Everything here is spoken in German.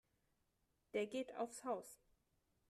Der geht aufs Haus.